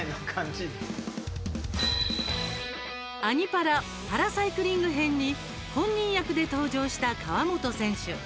パラサイクリング編に本人役で登場した川本選手。